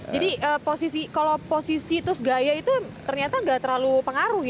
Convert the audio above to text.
jadi kalau posisi terus gaya itu ternyata gak terlalu pengaruh ya